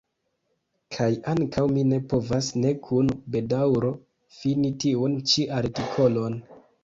Kaj ankaŭ mi ne povas ne kun bedaŭro fini tiun ĉi artikolon.